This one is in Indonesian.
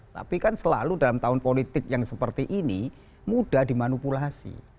tapi kan selalu dalam tahun politik yang seperti ini mudah dimanipulasi